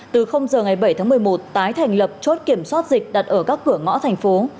từ giờ ngày bảy tháng một mươi một tái thành lập chốt kiểm soát dịch đặt ở các cửa ngõ thành phố